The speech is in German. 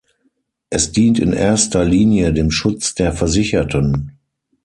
Es dient in erster Linie dem Schutz der Versicherten.